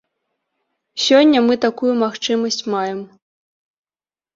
Сёння мы такую магчымасць маем.